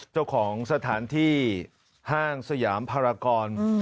เจ้าของสถานที่ห้างสยามภารกร